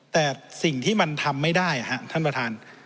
แต่สิ่งที่มันทำไม่ได้ท่านประธาน